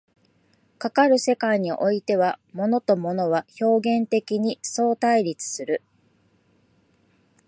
かかる世界においては、物と物は表現的に相対立する。